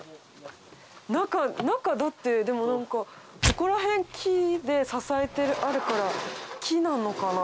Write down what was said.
中だってでも何かここら辺木で支えてあるから木なのかな？